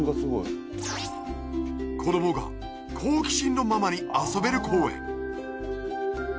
子どもが好奇心のままに遊べる公園